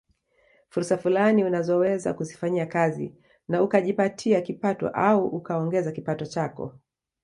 Fursa fulani unazoweza kuzifanyia kazi na ukajipatia kipato au ukaongeza kipato chako